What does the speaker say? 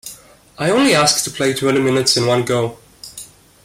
I only ask to play twenty minutes in one go.